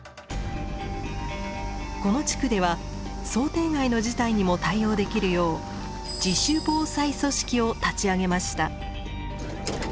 この地区では想定外の事態にも対応できるよう自主防災組織を立ち上げました。